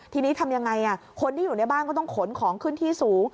ทีนี้ทำยังไงคนที่อยู่ในบ้านก็ต้องขนของขึ้นที่สูง